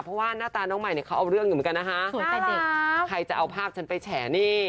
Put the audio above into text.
เพราะว่าหน้าตาน้องใหม่เนี่ยเขาเอาเรื่องอยู่เหมือนกันนะคะสวยแต่เด็กใครจะเอาภาพฉันไปแฉนี่